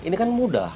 ini kan mudah